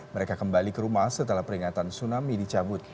mereka kembali ke rumah setelah peringatan tsunami dicabut